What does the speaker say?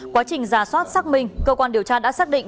quá trình giả soát xác minh cơ quan điều tra đã xác định